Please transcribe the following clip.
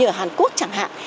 như ở hàn quốc chẳng hạn